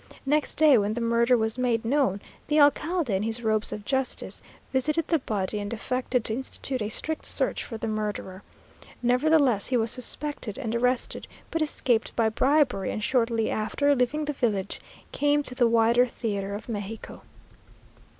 Next day, when the murder was made known, the alcalde, in his robes of justice, visited the body, and affected to institute a strict search for the murderer. Nevertheless he was suspected and arrested, but escaped by bribery, and shortly after, leaving the village, came to the wider theatre of Mexico.